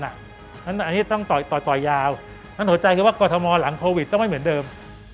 อันนี้ต้องต่อยยาวนั้นหัวใจคือว่ากรทมหลังโควิดต้องไม่เหมือนเดิม